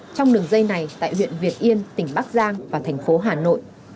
trong đường dây này tại huyện việt yên tỉnh bắc giang và thành phố hà nội